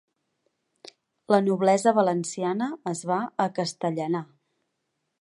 La noblesa valenciana es va acastellanar.